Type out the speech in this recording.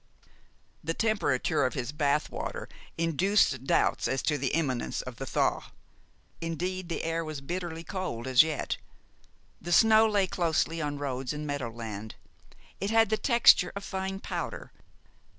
The temperature of his bath water induced doubts as to the imminence of the thaw. Indeed, the air was bitterly cold as yet. The snow lay closely on roads and meadow land. It had the texture of fine powder.